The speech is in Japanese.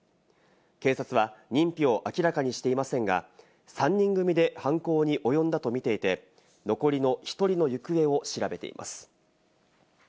警察は認否を明らかにしていませんが、３人組で犯行に及んだとみていて、残りの１人の行方を調べています。